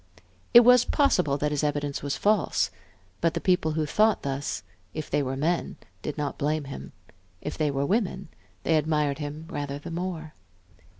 It was possible that his evidence was false; but the people who thought thus, if they were men, did not blame him; if they were women, they admired him rather the more.